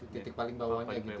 titik paling bawahnya